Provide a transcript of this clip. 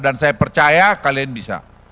dan saya percaya kalian bisa